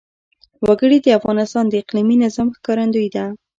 وګړي د افغانستان د اقلیمي نظام ښکارندوی ده.